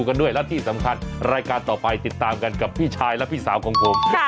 กรับที่สำคัญรายการต่อไปติดตามกันกับพี่ชายว่าพี่สาวของผม